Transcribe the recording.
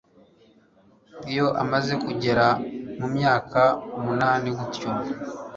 iyo amaze kugera mu myaka umunani gutyo